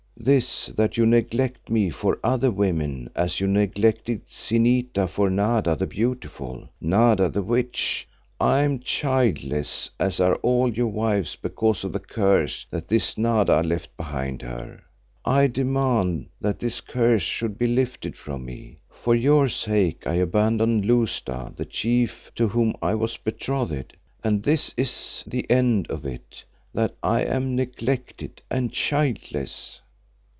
"This, that you neglect me for other women, as you neglected Zinita for Nada the Beautiful, Nada the witch. I am childless, as are all your wives because of the curse that this Nada left behind her. I demand that this curse should be lifted from me. For your sake I abandoned Lousta the Chief, to whom I was betrothed, and this is the end of it, that I am neglected and childless."